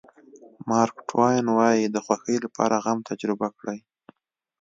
مارک ټواین وایي د خوښۍ لپاره غم تجربه کړئ.